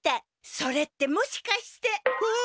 それってもしかしてうわ！